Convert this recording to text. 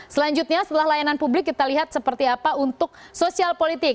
selanjutnya setelah layanan publik kita lihat seperti apa untuk sosial politik